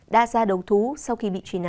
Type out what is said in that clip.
đã ra đấu thú sau khi bị truy nã